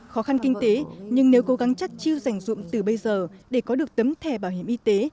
khó khăn kinh tế nhưng nếu cố gắng chắc chiêu dành dụng từ bây giờ để có được tấm thẻ bảo hiểm y tế